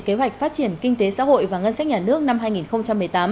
kế hoạch phát triển kinh tế xã hội và ngân sách nhà nước năm hai nghìn một mươi tám